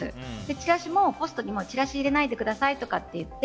チラシもポストに「チラシ入れないでください」とかって書いて。